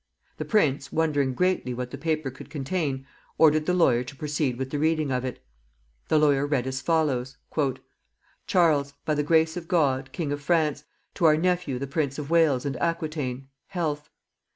The prince, wondering greatly what the paper could contain, ordered the lawyer to proceed with the reading of it. The lawyer read as follows: "Charles, by the grace of God, King of France, to our nephew the Prince of Wales and Aquitaine, health.